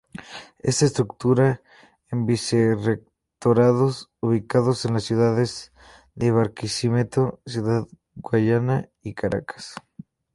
Está estructurada en Vice-Rectorados ubicados en las ciudades de Barquisimeto, Ciudad Guayana y Caracas.